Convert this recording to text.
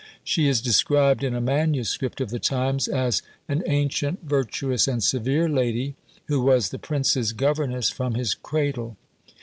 She is described in a manuscript of the times, as "an ancient, virtuous, and severe lady, who was the prince's governess from his cradle."